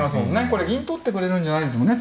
これ銀取ってくれるんじゃないんですもんね